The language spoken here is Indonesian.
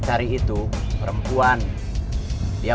masih belum beres ya